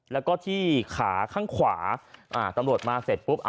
แล้วก็ที่ขาข้างขวาตำรวจมาเสร็จปุ๊บ